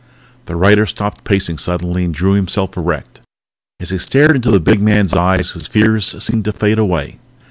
The writer stopped pacing suddenly and drew himself erect. As he stared into the big man's eyes his fears seemed to fade away.